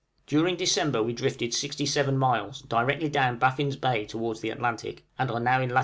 } During December we drifted 67 miles, directly down Baffin's Bay towards the Atlantic, and are now in lat.